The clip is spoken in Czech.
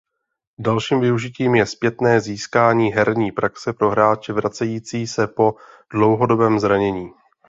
Dalším využitím je zpětné získání herní praxe pro hráče vracející se po dlouhodobém zranění.